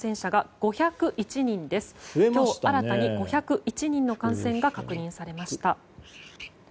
今日新たに５０１人の感染が確認されました。